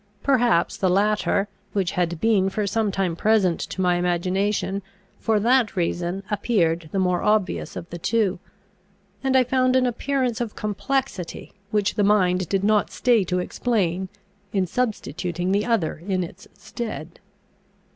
Perhaps the latter, which had been for some time present to my imagination, for that reason appeared the more obvious of the two; and I found an appearance of complexity, which the mind did not stay to explain, in substituting the other in its stead.